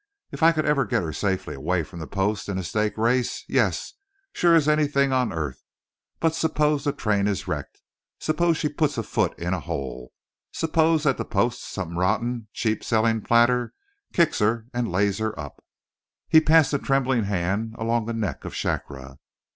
If I could ever get her safely away from the post in a stake race, yes; sure as anything on earth. But suppose the train is wrecked? Suppose she puts a foot in a hole? Suppose at the post some rotten, cheap selling plater kicks her and lays her up!" He passed a trembling hand along the neck of Shakra.